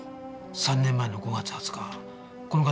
３年前の５月２０日この方